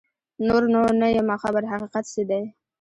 نور نو نه یمه خبر حقیقت څه دی